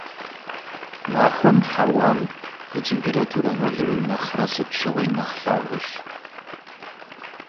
Махуэм хьэуам и температура нолым нэхърэ сыт щыгъуи нэхъ лъагэщ.